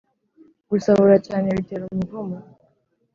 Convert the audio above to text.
Gusahura cyane bitera umuvumo.